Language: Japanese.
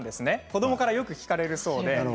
子どもからよく聞かれるそうです。